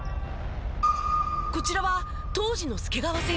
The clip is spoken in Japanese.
こちらは当時の介川選手。